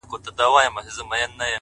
حالاتو دومره محبت کي راگير کړی يمه-